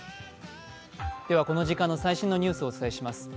ではこの時間の最新のニュースをお伝えします。